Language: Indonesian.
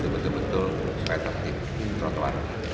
betul betul sesuai tertib trotoar